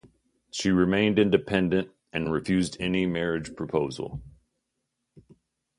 She remained independent and refused any marriage proposal.